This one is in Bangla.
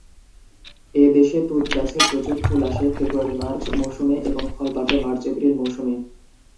এ দেশে তুঁত গাছে প্রচুর ফুল আসে ফেব্রুয়ারি-মার্চ মৌসুমে এবং ফল পাকে মার্চ-এপ্রিল মৌসুমে।